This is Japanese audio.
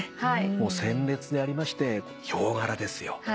もう鮮烈でありましてヒョウ柄ですよ。はい。